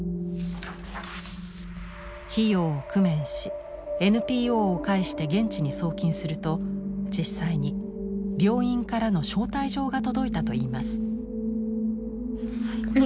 費用を工面しＮＰＯを介して現地に送金すると実際に病院からの招待状が届いたといいます。